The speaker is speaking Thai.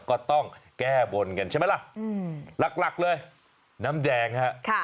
ก็ต้องแก้บนกันใช่ไหมล่ะหลักเลยน้ำแดงฮะ